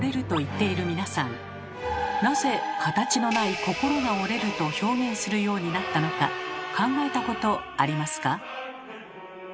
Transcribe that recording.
なぜ形のない心が折れると表現するようになったのか考えたことありますか？